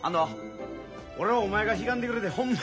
俺はお前がひがんでくれてホンマにうれしい。